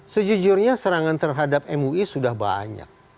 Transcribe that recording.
sejujurnya serangan terhadap mui sudah banyak